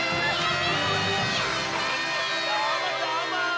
どーもどーも！